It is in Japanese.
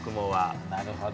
なるほど。